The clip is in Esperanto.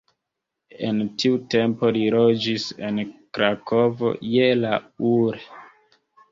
En tiu tempo li loĝis en Krakovo je la ul.